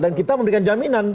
dan kita memberikan jaminan